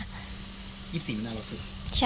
๒๔มีนาโรสึกใช่